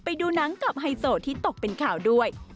ไปดูหนังกับไฮโซที่ตกเป็นข่าวด้วย